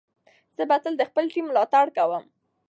زه به تل د خپل ټیم ملاتړ کوم.